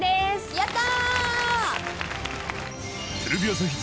やったー！